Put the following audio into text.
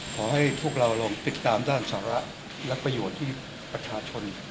ขอให้พวกเราลองติดตามด้านสาระและประโยชน์ที่ประชาชน